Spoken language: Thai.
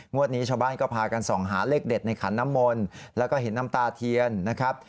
วันนี้ชาวบ้านก็พากันส่องหาเลขเด็ดในขันน้ำมนต์แล้วก็เห็นน้ำตาเทียนนะครับ